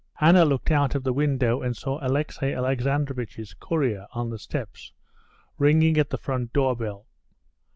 Anna looked out of the window and saw Alexey Alexandrovitch's courier on the steps, ringing at the front door bell.